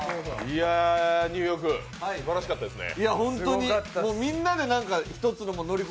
ニューヨーク、すばらしかったですね。